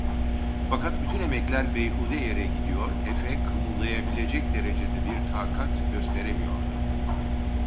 Fakat bütün emekler beyhude yere gidiyor, efe kımıldayabilecek derecede bir takat gösteremiyordu.